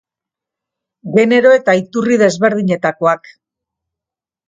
Genero eta iturri desberdinetakoak.